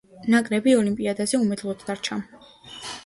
ნაკრები ოლიმპიადაზე უმედლოდ დარჩა.